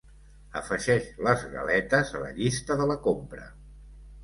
Afegeix les galetes a la llista de la compra.